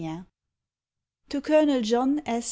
132 TO COLONEL JOHN S.